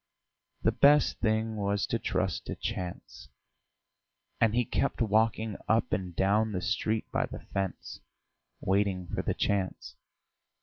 The best thing was to trust to chance. And he kept walking up and down the street by the fence, waiting for the chance.